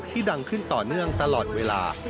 ดังขึ้นต่อเนื่องตลอดเวลา